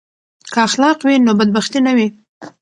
که اخلاق وي نو بدبختي نه وي.